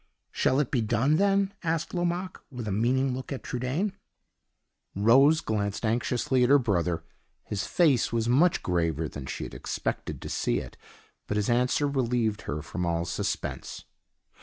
"Shall it be done, then?" asked Lomaque, with a meaning look at Trudaine. Rose glanced anxiously at her brother; his face was much graver than she had expected to see it, but his answer relieved her from all suspense.